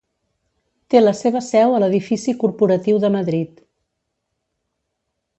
Té la seva seu a l'edifici corporatiu de Madrid.